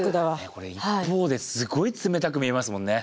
これ一方ですごい冷たく見えますもんね。